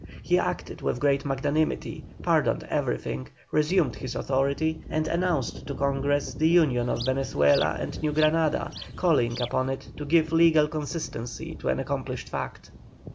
He acted with great magnanimity, pardoned everything, resumed his authority, and announced to Congress the union of Venezuela and New Granada, calling upon it to give legal consistency to an accomplished fact.